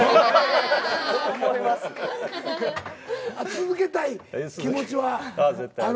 続けたい気持ちはあるんですか。